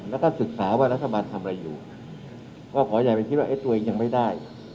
แล้วก็ศึกษาว่ารัฐบาลทำอะไรอยู่ก็ขออย่าไปคิดว่าตัวเองยังไม่ได้